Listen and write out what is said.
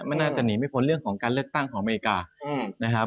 มันน่าจะหนีไม่พ้นเรื่องของการเลือกตั้งของอเมริกานะครับ